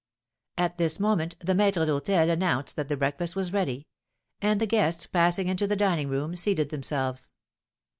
At this moment the maître d'hôtel announced that the breakfast was ready; and the guests, passing into the dining room, seated themselves.